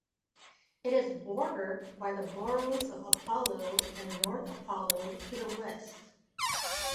It is bordered by the boroughs of Apollo and North Apollo to the west.